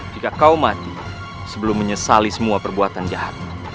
jika kau mati sebelum menyesali semua perbuatan jahat